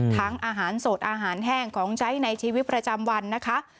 อาหารสดอาหารแห้งของใช้ในชีวิตประจำวันนะคะ